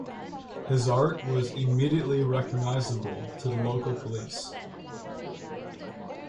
His art was immediately recognisable to the local police.